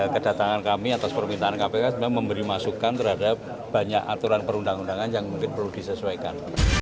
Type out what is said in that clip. kedatangan kami atas permintaan kpk sebenarnya memberi masukan terhadap banyak aturan perundang undangan yang mungkin perlu disesuaikan